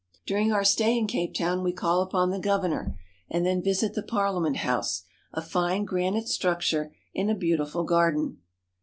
During our stay in Cape Town we call upon the gov ernor and then visit the parliament house, a fine granite structure in a beautiful garden.